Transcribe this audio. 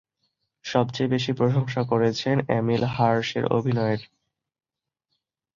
সবচেয়ে বেশি প্রশংসা করেছেন "এমিল হার্শ"-এর অভিনয়ের।